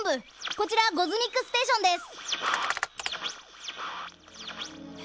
こちらゴズミックステーションです。